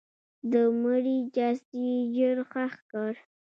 د مړي جسد یې ژر ښخ کړ.